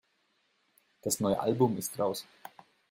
Das neue Album ist raus.